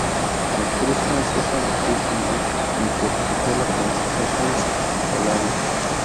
La actriz francesa Mathilda May interpretó a la princesa Shams Pahlaví.